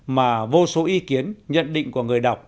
mà vô số ý kiến nhận định của người đọc